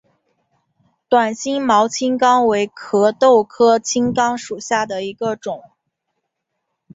短星毛青冈为壳斗科青冈属下的一个种。